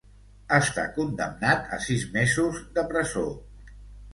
Està condemnat a sis mesos de presó.